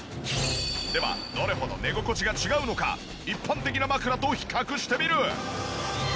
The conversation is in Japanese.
ではどれほど寝心地が違うのか一般的な枕と比較してみる。